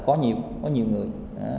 có nhiều người